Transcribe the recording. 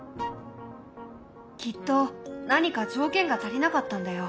きっと何か条件が足りなかったんだよ。